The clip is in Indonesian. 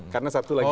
karena satu lagi